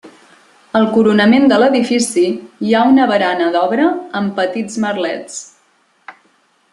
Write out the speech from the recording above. Al coronament de l'edifici hi ha una barana d'obra amb petits merlets.